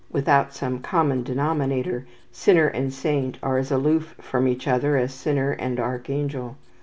Without some common denominator, sinner and saint are as aloof from each other as sinner and archangel.